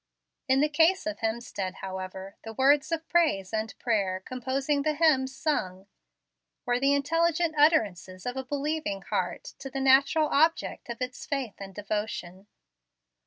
In the case of Hemstead, however, the words of praise and prayer composing the hymns sung were the intelligent utterances of a believing heart to the natural object of its faith and devotion.